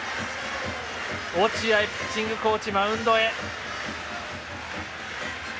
落合ピッチングコーチマウンドへ。